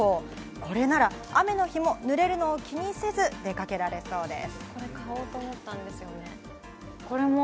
これなら雨の日も濡れるのを気にせず出かけられそうです。